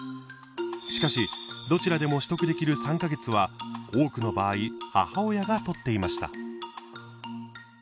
しかしどちらでも取得できる３か月は多くの場合母親が取っていました。